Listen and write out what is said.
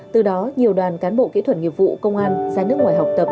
từ đó nhiều đoàn cán bộ kỹ thuật nghiệp vụ công an ra nước ngoài học tập